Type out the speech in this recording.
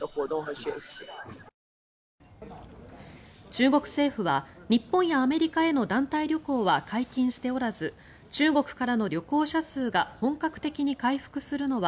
中国政府は日本やアメリカへの団体旅行は解禁しておらず中国からの旅行者数が本格的に回復するのは